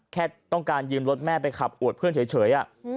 แค่ต้องการยืมรถแม่ไปขับอวดเพื่อนเฉย